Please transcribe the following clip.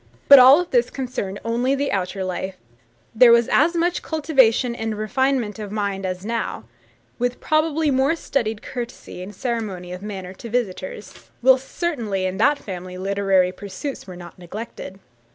But all this concerned only the outer life; there was as much cultivation and refinement of mind as now, with probably more studied courtesy and ceremony of manner to visitors; whilst certainly in that family literary pursuits were not neglected.